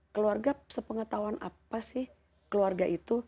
keluarga sepengetahuan apa sih keluarga itu